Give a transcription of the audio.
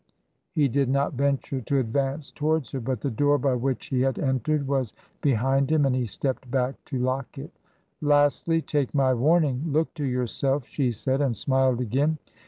... He did not venture to advance towards her; but the door by which he had entered was behind him, and he stepped back to lock it. ' Lastly, take my warning! look to yourself!' she said, and smiled 'again.